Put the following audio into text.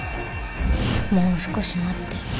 もう少し待って